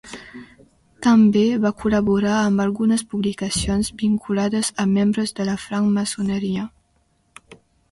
També va col·laborar amb algunes publicacions vinculades a membres de la francmaçoneria.